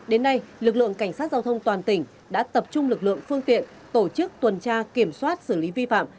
đến nay lực lượng cảnh sát giao thông toàn tỉnh đã tập trung lực lượng phương tiện tổ chức tuần tra kiểm soát xử lý vi phạm